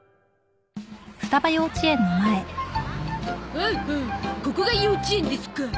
ほうほうここが幼稚園ですか。